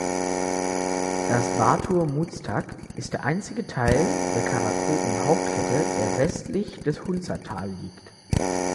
Das Batura Muztagh ist der einzige Teil der Karakorum-Hauptkette, der westlich des Hunza-Tals liegt.